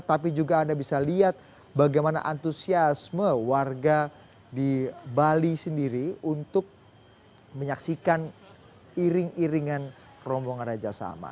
tapi juga anda bisa lihat bagaimana antusiasme warga di bali sendiri untuk menyaksikan iring iringan rombongan raja salman